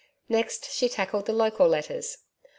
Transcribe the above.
Next, she tackled the local letters.